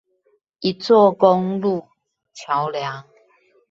一座公路橋梁